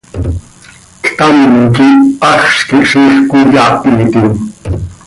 Ctam quih haxz quih ziix cöiyaahitim.